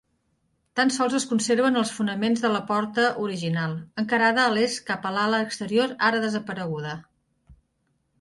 Tan sols es conserven els fonaments de la porta original, encarada a l'est cap a l'ala exterior ara desapareguda.